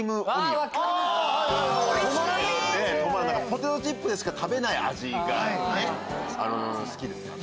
ポテトチップでしか食べない味が好きですね。